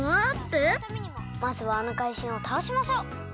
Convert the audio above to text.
まずはあのかいじんをたおしましょう！